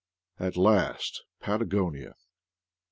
At last, Pat agonia!